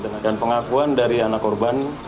dengan pengakuan dari anak korban